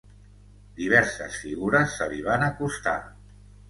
Diverses figures se li van acostar.